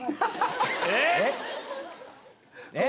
えっ！？